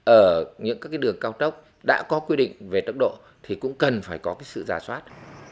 ở những các đường cao tốc đã có quy định về tốc độ thì cũng cần phải có cái sự giả soát